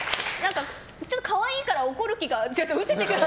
ちょっと可愛いから怒る気が失せてくる。